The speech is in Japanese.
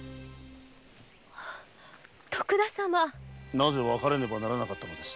なぜ別れねばならなかったのです。